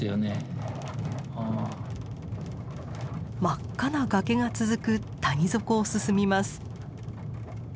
真っ赤な崖が続く谷底を進みます。